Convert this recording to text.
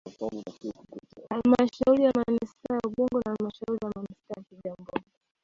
Halmashauri ya Manispaa ya Ubungo na Halmashauri ya Manispaa ya Kigamboni